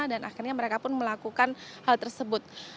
dan akhirnya mereka pun melakukan hal tersebut